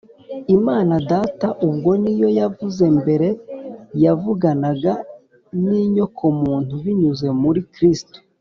Imana Data ubwe ni yo yavuze. Mbere yavuganaga n’inyokomuntu binyuze muri Kristo